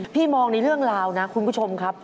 พี่มองในเรื่องราวนะคุณผู้ชมครับ